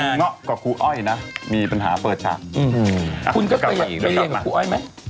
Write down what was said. ครูเงาะกับครูอ้อยนะมีปัญหาเปิดชาติอื้อฮือคุณก็ไปไปเลี่ยงกับครูอ้อยไหม